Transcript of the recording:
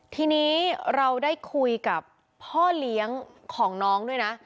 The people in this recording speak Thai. ทีนี้เราได้คุยกับพ่อเลี้ยงของน้องด้วยนะ